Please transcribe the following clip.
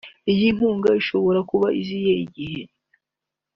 Iyi nkunga ishobora kuba iziye igihe